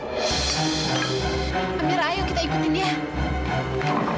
dia memang orang kepercayaan sama mas prabu